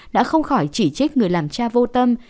đã không khỏi chỉ trích người làm cha vô tâm